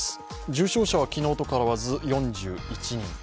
重症者は昨日と変わらず４１人。